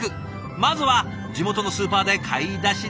まずは地元のスーパーで買い出しですね？